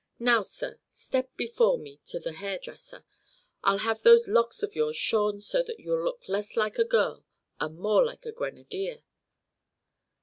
Now, sir, step before me to the hair dresser. I'll have those locks of yours shorn so that you'll look less like a girl and more like a grenadier."